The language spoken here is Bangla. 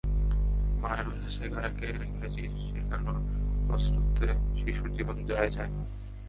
মায়ের ভাষা শেখার আগে ইংরেজি শেখানোর কসরতে শিশুর জীবন যায় যায়।